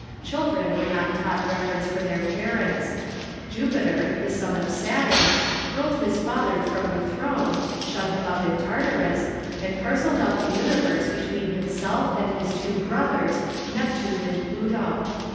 Children were not taught reverence for their j)arents. Jupiter, the son of Saturn, hurled liis father from the throne, shut him up in Tartarus, and par celled out the univei'se between himself and his two brothers, Neptune and Pluto.